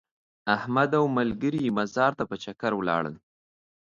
احمد او ملګري مزار ته په چکر ولاړل.